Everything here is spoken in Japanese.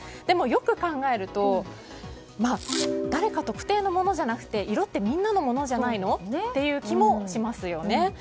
でも、よく考えると誰か特定のものじゃなくて色ってみんなのものじゃないの？という気もしますよね。